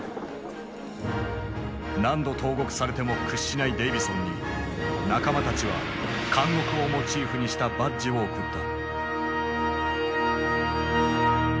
何度投獄されても屈しないデイヴィソンに仲間たちは監獄をモチーフにしたバッジを贈った。